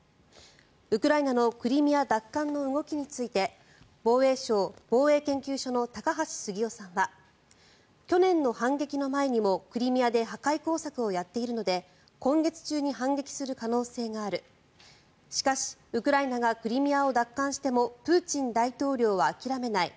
ウクライナのクリミア奪還の動きについて防衛省防衛研究所の高橋杉雄さんは去年の反撃の前にもクリミアで破壊工作をやっているので今月中に反撃する可能性があるしかし、ウクライナがクリミアを奪還してもプーチン大統領は諦めない。